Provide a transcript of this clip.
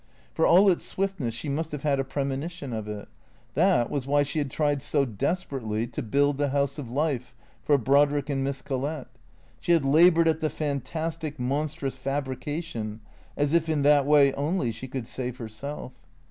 For all its swiftness, she must have had a premonition of it. That was why she had tried so desperately to build the house of life for Brodrick and Miss Collett. She had laboured at the fantastic, monstrous fabrication, as if in that way only she could save herself.